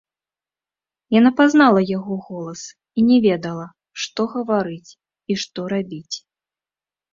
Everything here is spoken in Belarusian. Яна пазнала яго голас і не ведала, што гаварыць і што рабіць.